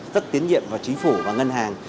rất tiến nhiệm vào chính phủ và ngân hàng